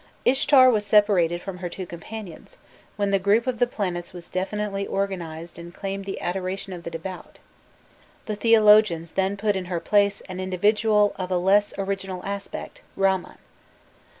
Ishtar was separated from her two companions, when the group of the planets was definitely organized and claimed the adoration of the devout; the theologians then put in her place an individual of a less original aspect, Ramman.